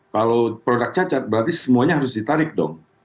kalau produk cacat berarti semuanya harus ditarik dong